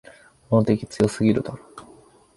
この敵、強すぎるだろ。